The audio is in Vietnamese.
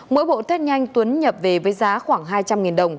mỗi bộ tết nhanh tuấn nhập về với giá khoảng hai trăm linh đồng